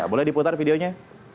boleh diputar videonya